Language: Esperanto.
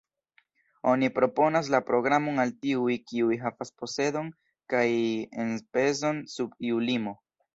Oni proponas la programon al tiuj, kiuj havas posedon kaj enspezon sub iu limo.